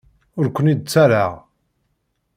Ur ken-id-ttarraɣ.